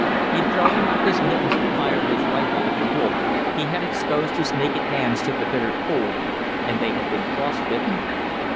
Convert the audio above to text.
In throwing off his mittens to fire his rifle at the wolf, he had exposed his naked hands to the bitter cold, and they had been frost bitten.